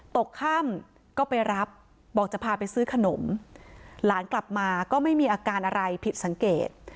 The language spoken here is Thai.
ตกค่ำก็ไปรับบอกจะพาไปซื้อขนมหลานกลับมาก็ไม่มีอาการอะไรผิดสังเกต